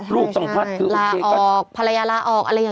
ลูกต่างพัดก็ว่าลาออกภรรยาลาออกอะไรแบบนี้